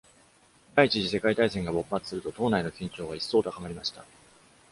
第一次世界大戦が勃発すると、党内の緊張が一層高まりました。